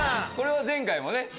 これは前回もね。